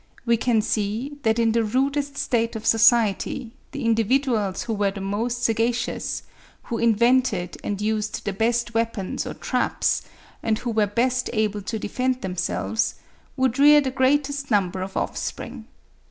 We can see, that in the rudest state of society, the individuals who were the most sagacious, who invented and used the best weapons or traps, and who were best able to defend themselves, would rear the greatest number of offspring.